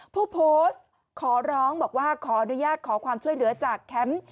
ผู้โพสต์ขอร้องบอกว่าขออนุญาตขอความช่วยเหลือจากแคมป์